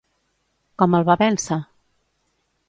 Com el va vèncer?